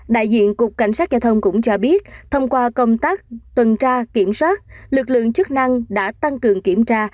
đại diện cục cảnh sát giao thông cũng cho biết thông qua công tác tuần tra kiểm soát lực lượng chức năng đã tăng cường kiểm tra